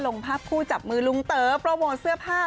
ลงภาพคู่จับมือลุงเต๋อโปรโมทเสื้อผ้า